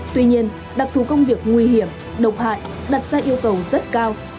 tuy nhiên đặc thù công việc nguy hiểm độc hại đặt ra yêu cầu rất cao